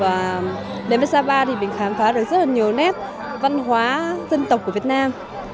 và đến với sapa thì mình khám phá được rất là nhiều nét văn hóa dân tộc của việt nam